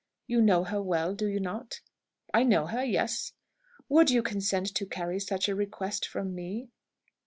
You know her well, do you not?" "I know her. Yes." "Would you consent to carry such a request from me?"